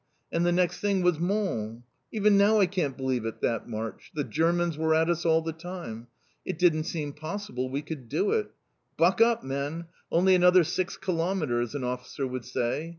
and the next thing was Mons! Even now I can't believe it, that march. The Germans were at us all the time. It didn't seem possible we could do it. 'Buck up, men! only another six kilometres!' an officer would say.